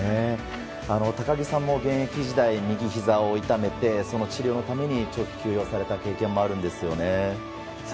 高木さんも現役時代右ひざを痛めてその治療のために長期休養された経験もあるんですよね。